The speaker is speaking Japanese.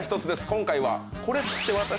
今回は。